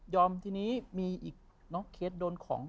ยอมทีนี้มีอีกเคสโดนของ